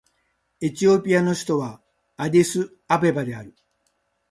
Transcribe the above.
エチオピアの首都はアディスアベバである